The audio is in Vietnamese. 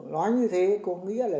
nói như thế có nghĩa là